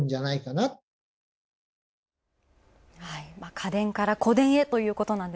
家電から、個電へということで。